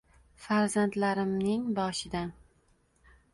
farzandlarimning boshidan